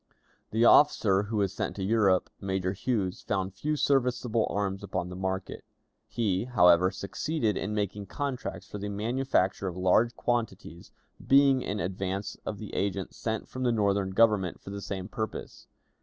The officer who was sent to Europe, Major Huse, found few serviceable arms upon the market; he, however, succeeded in making contracts for the manufacture of large quantities, being in advance of the agents sent from the Northern Government for the same purpose.